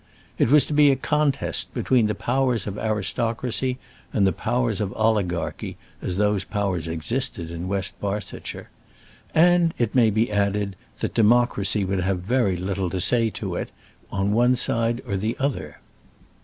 It was to be a contest between the powers of aristocracy and the powers of oligarchy, as those powers existed in West Barsetshire, and, it may be added, that democracy would have very little to say to it, on one side or on the other.